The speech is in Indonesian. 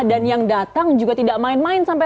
dan yang datang juga tidak main main sampai